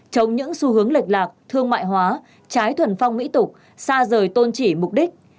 chống những xu hướng lệch lạc thương mại hóa trái thuần phong mỹ tục xa rời tôn trị mục đích